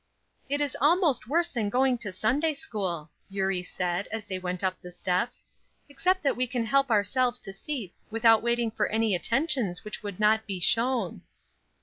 "It is almost worse than going to Sunday school," Eurie said, as they went up the steps, "except that we can help ourselves to seats without waiting for any attentions which would not be shown."